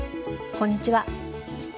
こんにちは。